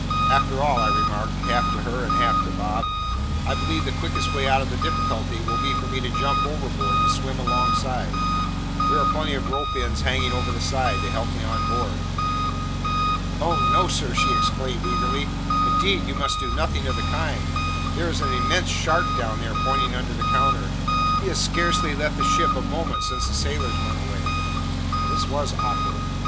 After all," I remarked, half to her and half to Bob, "I believe the quickest way out of the difficulty will be for me to jump overboard and swim alongside; there are plenty of ropes ends hanging over the side to help me on board." "Oh no, sir!" she exclaimed eagerly; "indeed you must do nothing of the kind. There is an immense shark down there," pointing under the counter; "he has scarcely left the ship a moment since the sailors went away." This was awkward.